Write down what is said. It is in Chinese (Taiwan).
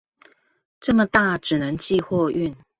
這麼大只能寄貨運